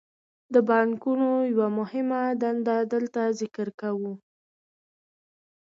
د بانکونو یوه مهمه دنده دلته ذکر کوو